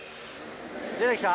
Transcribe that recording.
出てきた？